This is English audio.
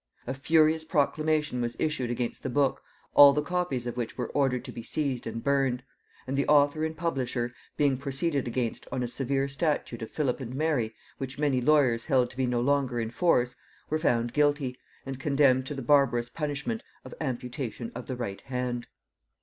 A furious proclamation was issued against the book, all the copies of which were ordered to be seized and burned; and the author and publisher, being proceeded against on a severe statute of Philip and Mary, which many lawyers held to be no longer in force, were found guilty, and condemned to the barbarous punishment of amputation of the right hand.